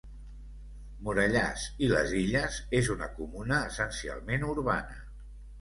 Morellàs i les Illes és una comuna essencialment urbana.